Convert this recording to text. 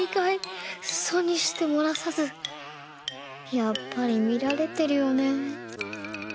やっぱりみられてるよねぇ。